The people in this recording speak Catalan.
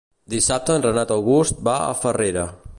Dissabte en Renat August va a Farrera.